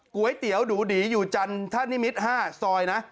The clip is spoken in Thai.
ก๋วยเตี๋ยวหนูดีอยู่จันทะนิมิตร๕ซอยนะ